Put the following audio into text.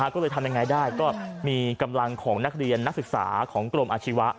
ก็เลยทำยังไงได้ก็มีกำลังของนักเรียนนักศึกษาของกรมอาชีวะ